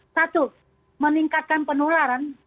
satu meningkatkan penularan